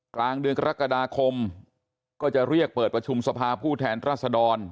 กลางเดือนกรกฎาคมก็จะเรียกเปิดประชุมสภาผู้แทนรัศดร